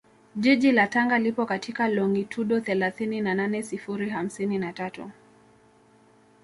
Jiji la Tanga lipo katika longitudo thelathini na nane sifuri hamsini na tatu